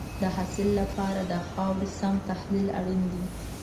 د حاصل لپاره د خاورې سم تحلیل اړین دی.